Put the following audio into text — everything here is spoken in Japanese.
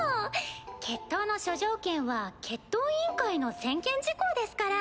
決闘の諸条件は決闘委員会の専権事項ですから。